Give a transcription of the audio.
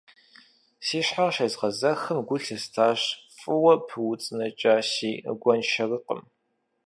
Си щхьэр щезгъэзыхым гу лъыстащ фӀыуэ пыуцӀыныкӀа си гуэншэрыкъым.